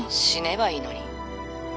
死ねばいいのに。